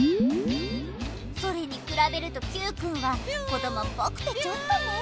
それにくらべるとＱくんはこどもっぽくてちょっとね。